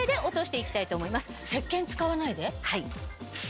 はい。